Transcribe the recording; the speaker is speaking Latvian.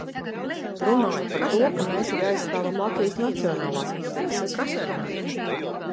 Runāja par to, ka mēs arī aizstāvam Latvijas nacionālās intereses.